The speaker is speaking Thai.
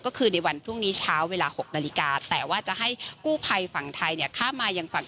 ก็คือในวันพรุ่งนี้เช้าเวลา๑๘๐๐น